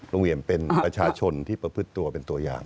เอี่ยมเป็นประชาชนที่ประพฤติตัวเป็นตัวอย่าง